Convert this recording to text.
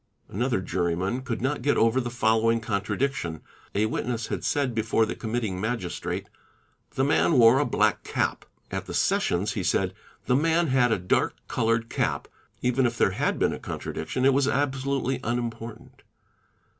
Another juryman could not get over the following contra diction; a witness had said before the Committing Magistrate, "The man wore a black cap'; at the Sessions he said, "The man had a dark coloured cap"; even if there had been a contradiction it was absolutely unimportant.